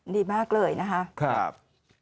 ดีมากเลยนะครับ